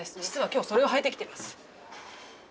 実は今日それを履いてきています。